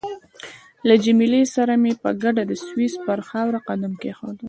له جميله سره مې په ګډه د سویس پر خاوره قدم کېښود.